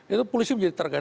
itu polisi menjadi target